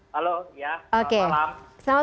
halo ya selamat malam